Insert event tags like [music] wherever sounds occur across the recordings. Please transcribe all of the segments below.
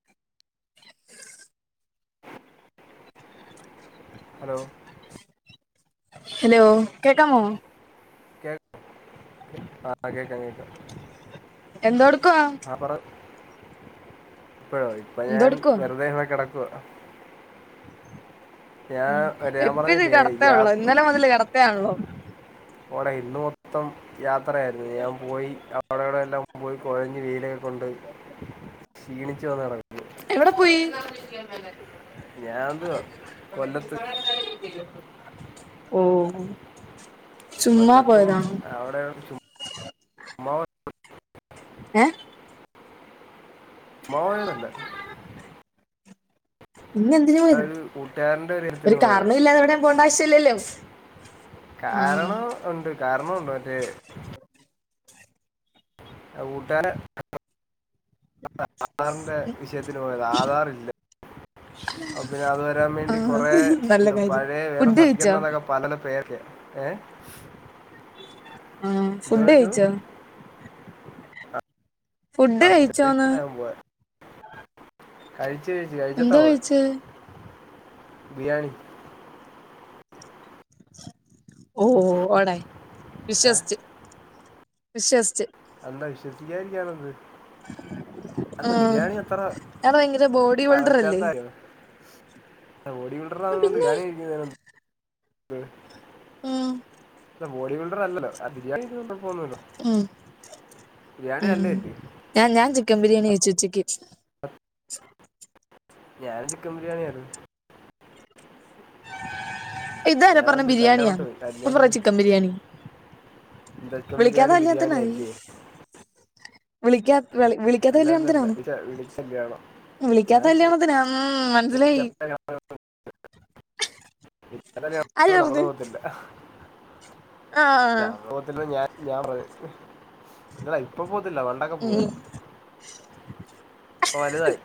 [unintelligible] Hello hello കേകാമോ [unintelligible] എന്തോട് കുവാ ആ പറ ഇപ്പോഴ ഇപ്പയേൻ എന്തോടുക്കുവാ വെറുതെ കെടക്കുവ ഞാൻ ഉം പറയാം എപ്പഴും കടത്തേ ഉള്ളൂ പറഞ്ഞില്ലേല്ലാന്ന് ഇന്നലെ മുതല് കടത്തയാണല്ലോ മോനെ ഇന്ന് മൊത്തം യാത്രയായിരു യാത്രയായിരുന്നു ഞാൻ പോയി അവിടെവിടെ എല്ലാം പോയി കുഴഞ്ഞ് വെയിലൊക്കെ കൊണ്ട് ക്ഷീണിച്ചു വന്ന്ടക് എവ്ടെ പോയി ഞാൻ എന്തുവാ കൊല്ലത്ത് ഓവ് ചുമ്മാ കൊല്ലത്തും പോയതാണ് അവിടെ ഉം ഏഹ് മോയ്ണില്ലേ ഇന്ന എന്തിനേ ഒരു പോയിരുന്നു കൂട്ടുകാരൻ്റെ ഇടത്തിന് ഒരു പോയതാ കാരണോല്ലാതെ എവിടെം പോണ്ടാവശ്യല്ലലോ കാരണം ഉണ്ട് കാരണോണ്ട് മറ്റേ അ ഊട്ടാനെ അ അ ആധാറിന്റെ വിഷയത്തിന് പോയതാ ആധാർ ഇല്ല. അ പിന്നെ അത് വരാൻ വേണ്ടി ആഹ് കുറെ നല്ല എന്ത കാര്യം പഴേവേറെ ഫുഡ് കഴിച്ചോ സർട്ടിക്കറ്റ്ന്നൊക്കെ പലലപേര് ഏ ആഹ എന്തോ ഫുഡ് കഴിച്ചു കയ്‌ചോ ഫുഡ് കയ്ച്ചോന്ന് കഴിചയത്ത് കഴിച്ചട്ടാ പോയേ കഴിച്ചേ ബിരിയാണി ഓ ഓട വിശ്വസിച്ചു വിശ്വസിച്ച് എന്താ വിശ്വസിക്കാരിക്കാനെന്ത് ആ ഞാൻ ഭയങ്കര ബോഡി വിൽ ഡർ അല്ലേ അ ബോഡി വിൽഡറാണോ ന്നില്ല പിന്നെ ഞാനീ ഇ ഉം ഇല്ല ബോഡി ബിൽഡർ അല്ലല്ലോ ആ ബിരിയാണി തിന്ന് പോന്നല്ലോ ഉം ഉം അല്ലേ ഞാ ഞാൻ ചിക്കൻ ബിരിയാനീ കയ്ച്ചുചക് ഞാചിക്കൻ ബിരിയാണിയാണ് ഇതാരെ ഞാൻ പറഞ്ഞ ഒരു ബിരിയാണിയാ കല്യാണത്തിന് പോയി. അപ്പൊ പറഞ്ഞ കല്യാണത്തിന് ചികം ബിരിയാണി എന്താ ചിക്കൻ ബിരിയാണി ബിരിയാണി വിളിക്കാത്തല്യാണത്തിനായ് അല്ലേ വിളിക്കാ വിളിക്കാത്ത അല്ല അല്ല അല്ല കല്യാണത്തിനന്ന് വിളിച്ച വിളിച്ച കല്യാണം ഞാൻ വിളിക്കാത്ത വിളിച്ച- കല്യാണത്തിനാ ഉ മനസ്സിലായി ആര് വിളിക്കാല്യാണനൊന്നു മ്മലോവതില്ല ആ ആ പോവത്തില്ല ഞ ഞാൻ ഇ ഇപ്പ പോകത്തില്ല വണ്ടൊക്കെ ഉം പോവായനു ഇപ്പോ വലുതായി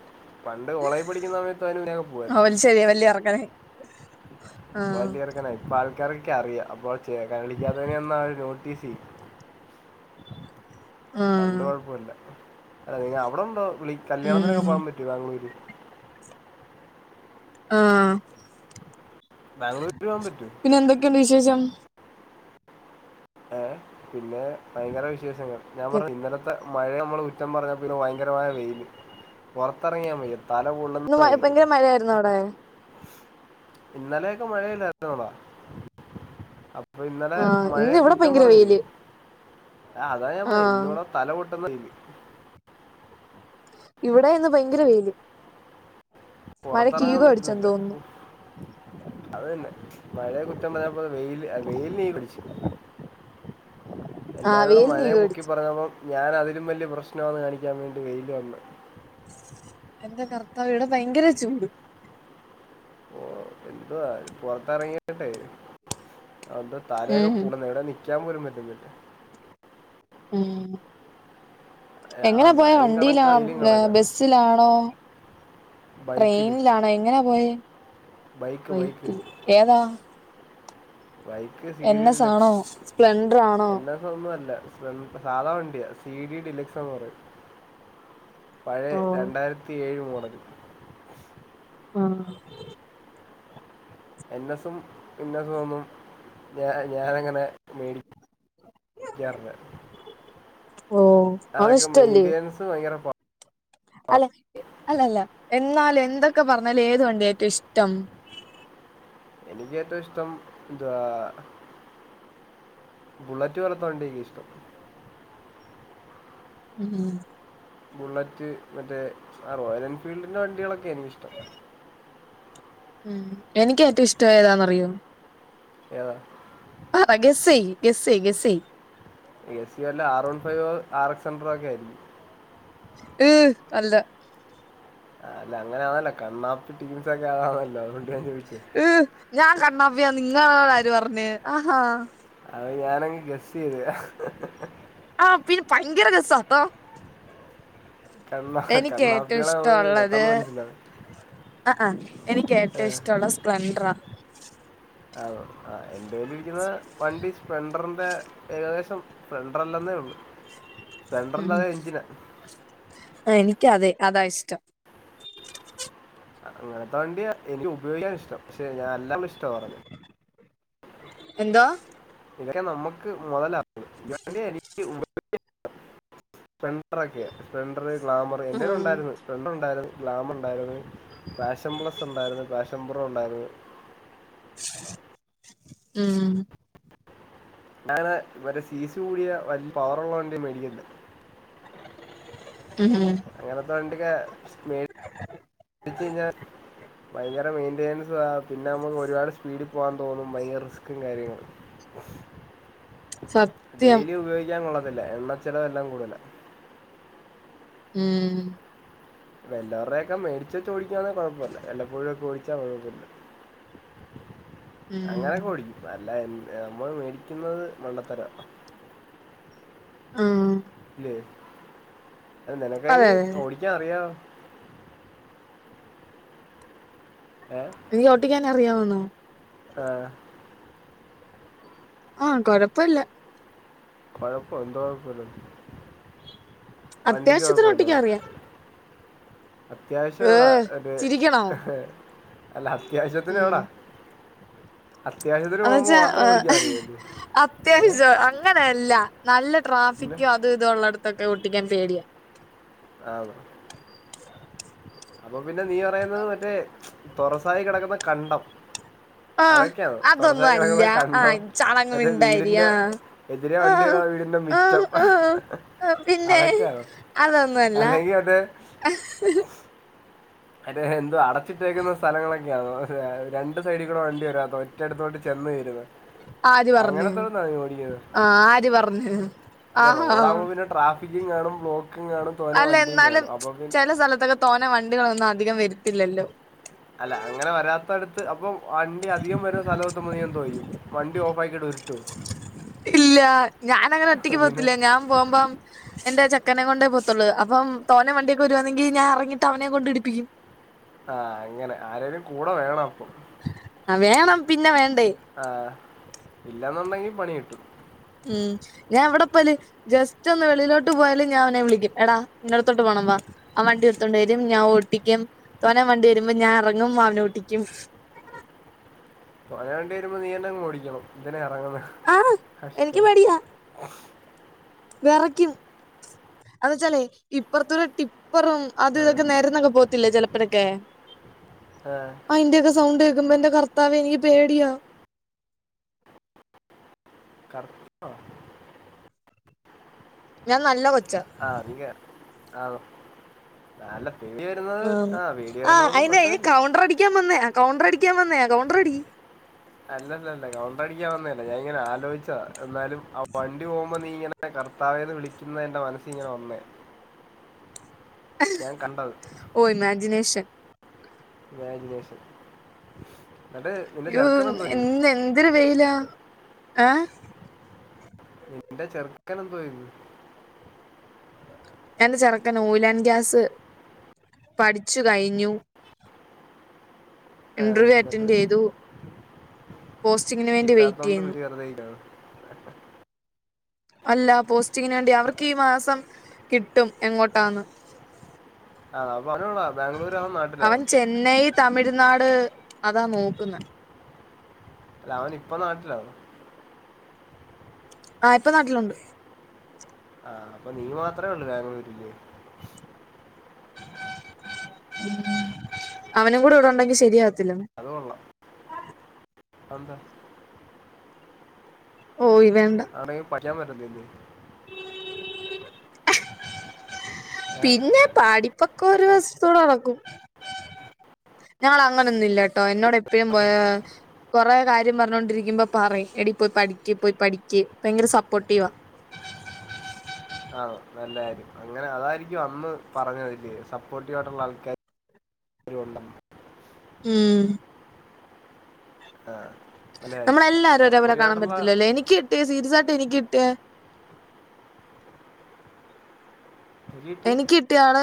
പണ്ട് ഓളേജിൽ പഠിക്കുന്ന സമയത്ത്യന് അയിലിതിലൊക്കെ പോവായിര്ന്ന് ശരിയ വല്ിയ ഇറക്കനായ് വലിയറക്കന ഇപ്പ പല്യർകനായ പല്യർകനായി പ ആൾക്കാാരൊക്കെ ക്ക്അറിയാം അപ്പോൊ ചേ കളിക്കാത്തന്നെയ ഒന്നാര് നോട്ടീസ് പണ്ട് ആഹ് കുഴപ്പമില്ല അല്ല നിങ്ങ പണ്ടൊയപ്പല്ല അവിടെ ഉണ്ടോ വിളി കല്യാണത്തിരൊക്കെ ഉം പോകാൻ പറ്റി ബാംഗലൂര് ആഹ ബാംഗ്ലൂൽ റ്റ്പോവാൻ പറ്റൂ എന്തൊക്കെയുണ്ട് വിശേഷം ഏഹ് പിന്നെ ഭയങ്കര വിശേഷങ്ങൾ ഞാൻ പറഞ്ഞ ഇന്നലത്തെ മഴ നമ്മള് കു റ്റം പറഞ്ഞാ പിന്നെ ഭയങ്കരമായ വെയില് പുറത്തിറങ്ങൻ വയ്യ തല ഇന്ന് പൊള്ളുന്ന വെയില് മഴ ആയിരുന്നോ അവിടെ ഇന്നലെയൊക്കെ മഴയല്ലായിരുന്നോ അവിടെ അപ് അപ്പൊ ഇന്നലെ ആഹ് ഇന്ന് മഴയെ ഇവിടെ കുറ്റം ഭയങ്കര പറഞ്ഞില്ലേ വെയില് ആഹ് അതാ ഞാൻ പറഞ്ഞ ആഹ് ഇന്നിവിടെ തല പൊട്ടുന്ന വെയില് ഇവിടെ ഇന്ന് ഭയങ്കര വെയില് മഴയ്ക്ക് പുറത്തിറങ്ങാൻ ഈഗോ അടിച്ചെന്ന് പറ്റുന്നില്ല തോന്നുന്നു ഒഹ് അതന്നെ മഴയെ കുറ്റം പറയാൻ പോയ വെയില് വെയിലിന് ഈഗോ അടിച്ച് എല്ലാരുടെയും ആവിയിൽ നീ മഴയെ പൊക്കി വേടിച്ചു പറഞ്ഞപ്പം ഞാൻ അതിലും വലിയ പ്രശ്നമാണ്ന്ന് കാണിക്കാൻ വേണ്ടി വെയില് വന്ന് എന്റെ കർത്താവേ ഇവിടെ ഭയങ്കര ചൂട് ഓ എന്തവാ പുറത്ത് എറങ്ങിയട്ടെ അ തല ഒക്കെ ഉം പൊളളുന്ന് എവിടെയും നിൽക്കാൻ പോലും പറ്റുന്നില്ല ഉം ആ എങ്ങനാ പോയ മഴയും കണക്കാ വെയിലും വണ്ടിയിലാന്നാ കണക്കാ ബസ്സിലാണോ ബൈക്കില് ട്രെയിനിലാണോ എങ്ങനാ പോയെ ബൈക്ക് ബൈക്ക് ബൈക്കിൽ ഏതാ ബൈ എൻ എസ് ആണോ സ്പ്ലെണ്ടറാണോ. എൻ എസ് ഒന്നും അല്ല സ്പേ സാധാ വണ്ടിയ സി ഡി ഡിലെക്സന്ന് പറയും പഴയ ഓ രണ്ടായിരത്തി ഏഴ് മോടല് ആഹ് എൻ എസും പിന്നസും ഒന്നും ഞ ഞാനങ്ങനെ മേടി ക്കാറില്ല ഓ അതൊന്നും അതൊക്കെ ഇഷ്ടല്ലേ മെയിന്റനൻസ് ഭയങ്കര പ അല്ല അല്ല അല്ല എന്നാലും എന്തൊക്കെ പറഞ്ഞാലും ഏതു വണ്ടിയ ഏറ്റവും ഇഷ്ടം എനിക്ക് ഏറ്റവും ഇഷ്ടം എന്തുവ ബുള്ളറ്റ് പോലത്തെ വണ്ടി ഒക്കെ ഇഷ്ടം ഉം ഉം ബുള്ളറ്റ് മറ്റേ റോയൽ എൻഫീൽഡിൻ്റെ വണ്ടികളൊക്കെ എനിക്കിഷ്ടം ഉം എനിക്ക് ഏറ്റവും ഇഷ്ടം ഏതാന്നറിയോ ഏതാ ആന്നോ ഗെസ്സേയ് ഗെസ്സേയ് ഗെസ്സേയ് എ സിയു അല്ല R one five R X hundred ഒക്കെ ആയിരിക്കും ഈഹ് അല്ല അഹ് അല്ല അങ്ങനെ ആണല്ലോ കണ്ണാപ്പി ടീംമ്സൊക്കെ ആന്നല്ലോ അത് കൊ ഈഹ് ഞാൻ കണ്ണപ്പി അന്ന് നിങ്ങളോട് ആര് പറഞ്ഞ് ആഹ് ഹാ അത് ഞാനങ്ങ് ഗെസ്സ് ചെയ്ത ആഹ് പിന്നെ ഭയങ്കര രസാട്ടോ കണ്ണാ എനിക്ക് ഏറ്റവും കണ്ണാപ്പികളെ ഇഷ്ടം നമുക്ക് ഉള്ളത് പെട്ടെന്ന് മനസ്സിലാവും ആഹ് ആഹ് എനിക്ക് ഏ. ഏറ്റവും ഇഷ്ടം ഉള്ളത് സ്പ്ലെണ്ടറാ ആന്നോ ആഹ് എന്റെ കൈയിലിരിക്കുന്ന വണ്ടി സ്പ്ലെണ്ടറിന്റെ ഏകദേശം സ്പ്ലെണ്ടർ അല്ലന്നേ ഉള്ളൂ ഉം സ്പ്ലെൻഡറിന്റെ അതേ എഞ്ചിനാ എനിക്ക് അതെ അതാ ഇഷ്ടം അങ്ങനത്തെ വണ്ടിയ എനിക്ക് ഉപയോഗിക്കാൻ ഇഷ്ടം പക്ഷെ ഞാൻ അല്ലാ ഇഷ്ട പറഞ്ഞ എന്താ ഇതൊക്കെ നമ്മുക്ക് മുതലവുമോ എനിക്ക് [unintelligible] സ്കൂട്ടര്‍ ഒക്കെയാ സ്പ്ലെണ്ടർ ഗ്ലാമറ് എന്റെ കയ്യില്‍ ആഹ് ഉണ്ടായിരുന്നു സ്പ്ലെണ്ടർ ഉണ്ടായിരുന്ന് ഗ്ലാമര്‍ ഉണ്ടായിരുന്നു ഫാഷൻ പ്ലസ് ഉണ്ടായിരുന്ന് ഫാഷൻ പ്രോ ഉണ്ടായിരുന്ന് ഉം ഞാണ് മറ്റേ സീസി കൂടിയ വലിയ പവറുള്ള മേടിക്ക്ണ്ട് ഉം ഉം അങ്ങന ത വണ്ടിയൊക്കെ മേ ടിച്ചു കഴിഞ്ഞാൻ ഭയങ്കര മെയിന്റനൻസ പിന്നെ നമുക്ക് ഒരുപാട് സ്പീഡിൽ പോകാൻ തോന്നും ഭയങ്കര റിസ്കും കാര്യങ്ങളും സത്യം ഡെയിലി ഉപയോഗിക്കാൻ കൊള്ളത്തില്ല എണ്ണ ചെലവെല്ലാം കൂടുതലാ. മ് വെല്ലവരുടെയൊക്കെ മേടിച്ചു വെച്ചു ഓടിക്കുകയാണേൽ കുഴപ്പല്ല വെല്ലപോയൊക്കൊ ഓടിച്ച കുഴപ്പല്ല ഉം അങ്ങനെയൊക്കെ ഓടിക്കും അല്ല നമ്മള് മേടിക്കുന്നത് മണ്ടത്തര മ് ഇല്ലേ അതെ നിനക്കയിന് അതെ അതെ ഓടിക്കാൻ അറിയാ ഏഹ് എനിക്ക് ഓട്ടിക്കാൻ അറിയാവുന്നോ ആഹ് ആഹ് കൊഴപ്പല്ല കുഴപ്പം എന്തോ യ്പ്പിലാന്ന് വണ്ടിക്ക് അത്യാവശ്യത്തിന് കൊയ്പ്പിലാന്നൊ ഓട്ടിക്കാൻ അറിയാം അത്യാവശ്യം ള്ള ഏഹ് ഒര് ചിരിക്കണോ അല്ല അത്യാവശ്യത്തിന് എവിടാ അത്യാവശ്യത്തിന് അത് പോകുമ്പോൾ വെച്ചാ മാത്രം ഓടിക്കാൻ അറിയാമല്ലോ ഏ അത്യാവശ്യ അങ്ങ് അങ്ങനെയല്ല നല്ല പിന്നെ ട്രാഫിക്കും അത് ഇതു ള്ളടത്തൊക്കെ ഓട്ടിക്കാൻ പേടിയ ആണോ അപ്പൊ പിന്നെ നീ പറയുന്നത് മറ്റേ തുറസായി കിടക്കുന്ന കണ്ടം ആഹ് അതൊക്കെയാണ് അതൊന്നും തുറസായി അല്ല കിടക്കുന്ന കണ്ടം ആഹ് ചളങ്ങ് അതേ മിണ്ടായിരി വീടിന്റെ ആഹ് എതിരെ വണ്ടി ആഹ് വരാ വീടിന്റെ ആഹ് മിറ്റം പ്പ ആഹ് ആഹ് പിന്നെ അതക്കോയാണോ അതൊന്നും അല്ല അല്ലെങ്കി അത് അതെ ഹ് എന്ത് അടച്ചിട്ടേക്കുന്ന സ്ഥലങ്ങളൊക്കെയാണോ രണ്ട് സൈഡിൽ കൂടെ വണ്ടി വരാത്തെ റ്റടുത്തോട്ട് ചെന്ന് വരുന്നു ആര് പറഞ്ഞ് അങ്ങനെത്തോന്നാ നീ ഓടിക്ണ് ആഹ് ആര് പറഞ്ഞ് ഇല്ല ആഹാ റോഡാകുമ്പോ പിന്നെ ട്രാഫിക്കും കാണും ബ്ലോക്കും കാണും തോന്നെ വണ്ടിയും കാണും അപ്പൊ പിന്നെ തോന വണ്ടികളൊന്നും അധികം വരുത്തില്ലല്ലോ അല്ല അങ്ങനെ വരാത്തടുത്ത് അപ്പൊ വണ്ടി അധികം വരുന്ന സ്ഥലംത്തുമ്പ നീ എന്തോചെയ്യും വണ്ടി ഓഫാക്കിട്ടോറൂട്ടോ ഇല്ല ഞാനങ്ങനെ ഒറ്റക്ക് പിന്നെ പോത്തില്ല ഞാൻ പോകുമ്പം എന്റെ ചക്കനെ കൊണ്ട പോത്തുള്ളു അപ്പം തോന വണ്ടിയൊക്ക വരുവാണെങ്കി ഞാൻ അറങ്ങീട്ട് അവനെ കൊണ്ട് ഇടിപ്പിക്കും. ആഹ് അങ്ങനെ ആരേലും കൂടെ വേണം അപ്പം ആ വേണം പിന്നെ വേണ്ടേ ആഹ് ഇല്ലാ ന്നുണ്ടെങ്കി പണി കിട്ടും ഉം, ഞാൻ എവടെ പോല് ജസ്റ്റ് ഒന്ന് വെള്ളിലോട്ട് പോയാല് ഞാ അവനെ വിളിക്കും എടാ ഇന്നട്ത്തോട്ട് പോണം വാ ആ വണ്ടി എടുത്തോണ്ട് വരും ഞാൻ ഓട്ടിക്കും, തോനെ വണ്ടി വരുമ്പോ ഞാൻ അറങ്ങും, അവനെ ഓട്ടിക്കും. പോയാ വണ്ടി വരുമ്പോ നീ തന്നെ അങ് ഓടിക്കണം എന്തിനാ ഇറങ്ങുന്നെ ആഹ് എനിക്ക് കഷ്ടം വിറക്കും അത് ച്ചാലേ ഇപ്പറ്ത്തു ടെ ടിപ്പറും അത് ആ, ഇതൊക്കെ നേരന്നൊക്കെ പോത്തില്ലേ ചിലപ്പോഴൊക്കെ ആയിന്റെയൊക്കെ സൗണ്ട് കേക്കുമ്പം ന്റെ കർത്താവെ എനിക്ക് പേടിയ കർപ്പോ ഞാൻ നല്ല കൊച്ച അറിയ ആണോ നല്ല ങ്കി വരുന്ന ആന്ന് ആഹ് അയിന് അയിന് കൗണ്ടർ അടിക്കാൻ വന്നേയ്കൗണ്ടർ അടിക്കാൻ വന്നേയ്കൗണ്ടറടി അല്ലല്ലല്ല കൗണ്ടർ അടിക്കാൻ വന്നല്ല ഞാൻ ഇങ്ങനെ ആലോയിച്ച എന്നാലും വണ്ടി പോകുമ്പോ നീ ഇങ്ങനെ കർത്താവേന്ന് വിളിക്കുന്നതാ എന്റെ മനസ്സിലിങ്ങനെ വന്നേ. ഞാൻ കണ്ടത്. ഓഹ് ഇമാജിനേഷൻ. വാല്യുവേഷൻ എന്നട്ട് അയ്യോ എ ഇന്ന് എന്തിരു വെയിലാ ഏഹ് എന്റെ ചെറുക്കൻ എന്തു ചെയ്യുന്നു? എന്റെ ചെറുക്കൻ ഊലൻ ഗ്യാസ് പഠിച്ചു കഴിഞ്ഞു. ആ, ഇന്റർവ്യൂ എന്നിട്ട് അറ്റൻഡ് ചെയ്തു. പോസ്റ്റിങ്ങിന് വേണ്ടി വെയിറ്റ് കിട്ടാത്തോണ്ട് ചെയ്യുന്നു. [unintelligible] അല്ല. പോസ്റ്റിങ്ങിന് വേണ്ടി അവർക്ക് ഈ മാസം കിട്ടും എങ്ങോട്ടാന്ന്. ആഹ് [unintelligible] ബാംഗ്ലൂരാണോ നാട്ടിലാണോ? അവൻ ചെന്നൈ തമിഴ്നാട് അതാ നോക്കുന്നെ. അല്ല അവനിപ്പൊ നാട്ടിലാണോ? ആഹ് ഇപ്പൊ നാട്ടിലുണ്ട്. ആഹ് അപ്പൊ നീ മാത്ര ഉള്ളൂ ബാംഗ്ലൂരില്. അവനും കൂടെ ഇവിടുണ്ടെങ്കി ശരിയാകത്തില്ലന്നേ. അതു കൊള്ളാം. അതെന്താ? ഓയ് വേണ്ട. അവിടെക്കെ പക്കാൻ പറ്റത്തില്ലെ? ഏ പിന്നെ പഠിപ്പൊ ക്കൊരു വശത്തുടെ നടക്കും. ഞങ്ങള് അങ്ങനൊന്നും ഇല്ലാട്ടോ എന്നോട് എപ്പഴും പോയ പ്രശ്നം. കൊറെ കാര്യം പറഞ്ഞോണ്ടിരിക്കുമ്പോ പറയും എടീ പോയി പഠിക്ക് പോയി പഠിക്ക്. ഭയങ്കര സപ്പോർട്ടീവാ. ആ നല്ല കാര്യം. അങ്ങനെ അതായിരിക്കും അന്ന് പറഞ്ഞതല്ലിയോ സപ്പോർട്ടീവായിട്ടുള്ള ആൾക്കാ രുണ്ടെന്ന്. ഉമ് നല്ല കാര്യം നമ്മളെല്ലാവരേം ഒരേപോലെ സപ്പോർട്ടീവ് കാണാൻ ആയിട്ടുള്ള പറ്റത്തില്ലല്ലോ. എനിക്കിട്ടി സീരിയസായിട്ട് എനിക്കാ കിട്ടിയെ. കിട്ടി എനിക്ക് കിട്ടിയ ആള്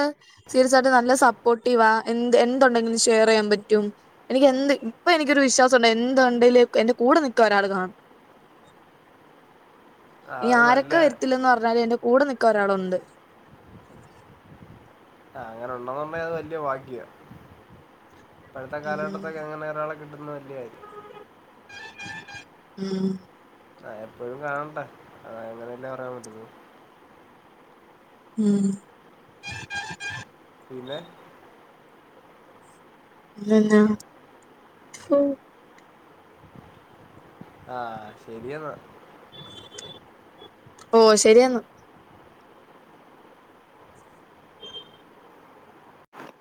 സീരിയസ് ആയിട്ട് നല്ല സപ്പോർട്ടീവാ. എ എന്തുണ്ടെങ്കിലും ഷെയർ ചെയ്യാൻ പറ്റും. എനിക്ക് എന്ത് ഇപ്പ എനിക്കൊരു വിശ്വാസം ഉണ്ട് എന്തുണ്ടെങ്കിലും എന്റെ കൂടെ നിൽക്കാൻ ഒരാള് കാണും. ഇനി അത് നല്ല ആരൊക്കെ വരത്തില്ലന്ന് പറഞ്ഞാലും എന്റെ കൂടെ നിക്കാൻ ഒരാളുണ്ട്. ആഹ് അങ്ങനെ ഉള്ളതന്നെ അത് വലിയ ഭാഗ്യാ. ഇപ്പഴത്തെ കാലഘട്ടത്തൊക്കെ അങ്ങനെ ഒരാളെ കിട്ടുന്നത് വല്ല്യ കാര്യ ഉംഹ് ആഹ് എപ്പോഴും കാണണ്ടാ അതുഅങ്ങനല്ലേ പറയാൻ പറ്റത്തുള്ളൂ. ഉമ് പിന്നെ പിന്നെ എന്നാ ഉമ് ആഹ് ശരിയെന്നാ. ഓഹ് ശരിയെന്നാ.